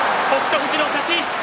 富士の勝ち。